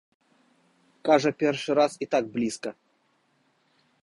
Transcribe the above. Кажа, першы раз і так блізка!